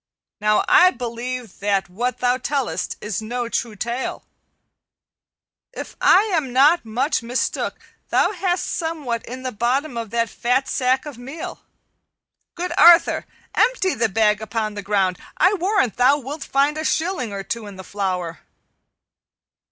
"Now I believe that what thou tellest is no true tale. If I am not much mistook thou hast somewhat in the bottom of that fat sack of meal. Good Arthur, empty the bag upon the ground; I warrant thou wilt find a shilling or two in the flour."